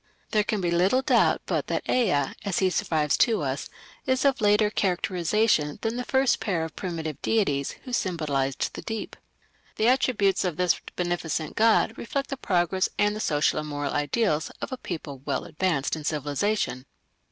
There can be little doubt but that Ea, as he survives to us, is of later characterization than the first pair of primitive deities who symbolized the deep. The attributes of this beneficent god reflect the progress, and the social and moral ideals of a people well advanced in civilization.